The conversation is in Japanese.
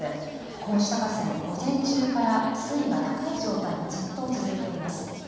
こうした河川、午前中から水位が高い状態がずっと続いています。